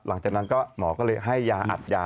หลังจากนั้นก็หมอก็เลยให้ยาอัดยา